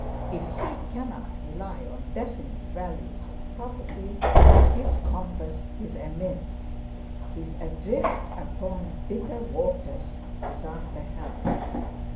If he cannot rely on definite values of property, his compass is amiss; he is adrift upon bitter waters without a helm.